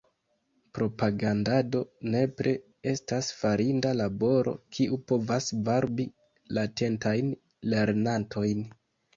Propagandado nepre estas farinda laboro, kiu povas varbi latentajn lernantojn.